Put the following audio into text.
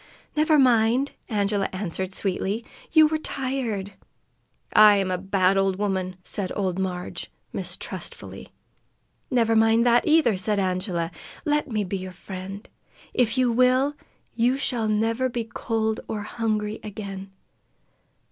"Never mind!" Angela answered sweetly. "You were tired." "I am a bad old woman!" said old Marg, mistrustfully. "Never mind that, either!" said Angela. "Let me be your friend. If you will, you shall never be cold or hungry again."